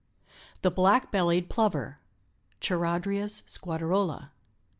167 THE BLACK BELLIED PLOVER. (Charadrius squatarola.)